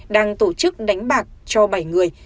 đang tổ chức đánh bạc cho bảy người